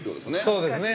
◆そうですね。